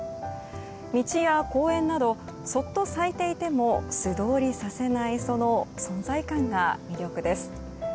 道や公園などそっと咲いていても素通りさせないその存在感が魅力です。